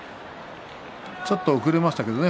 ちょっと遅れましたけどね